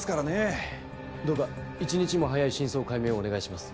どうか一日も早い真相解明をお願いします。